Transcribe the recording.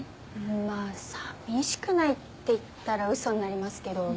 まぁ寂しくないって言ったらウソになりますけど。